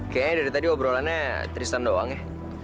kayaknya dari tadi obrolannya tristan doang ya